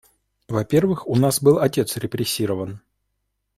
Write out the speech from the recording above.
Во-первых, у нас был отец репрессирован.